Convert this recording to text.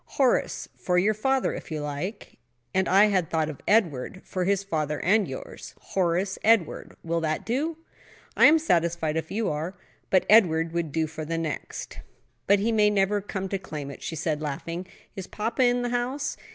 "Horace, for your father, if you like." "And I had thought of Edward, for his father and yours. Horace Edward. Will that do?" "I am satisfied, if you are. But Edward would do for the next." "But he may never come to claim it," she said, laughing. "Is papa in the house?"